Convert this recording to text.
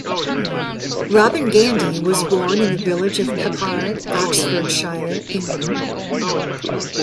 Robin Gandy was born in the village of Peppard, Oxfordshire, England.